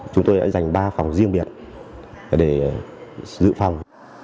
chúng tôi đã dành ba phòng riêng biệt để dự phòng